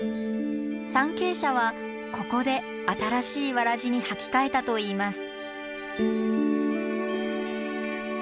参詣者はここで新しいわらじに履き替えたといいます。